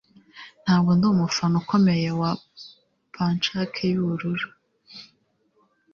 Ntabwo ndi umufana ukomeye wa pancake yubururu.